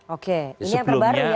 oke ini yang terbaru ya berarti ya